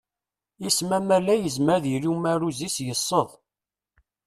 Isem amalay yezmer ad yili umaruz -is yessed.